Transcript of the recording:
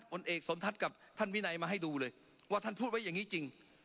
เอกสมทัศน์กับท่านวินัยมาให้ดูเลยว่าท่านพูดไว้อย่างนี้จริง